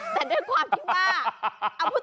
แต่ด้วยความที่ว่า